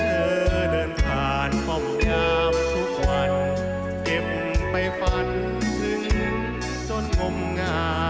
เธอเดินผ่านป้อมยามทุกวันเก็บไปฝันถึงจนงมงา